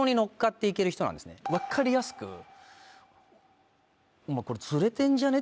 分かりやすくもうこれズレてんじゃね？